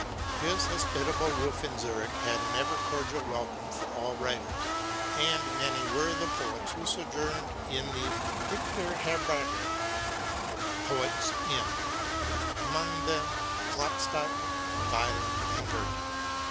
His hospitable roof in Zürich had an ever cordial welcome for all writers, and many were the poets who sojourned in the "Dichterherberge" (poets' inn); among them Klopstock, Wieland, and Goethe.